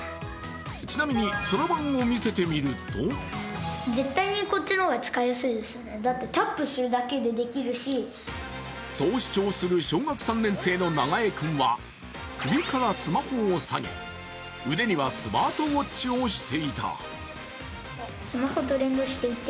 ちなみに、そろばんを見せてみるとそう主張する小学３年生の長江君は首からスマホを下げ、腕にはスマートウォッチをしていた。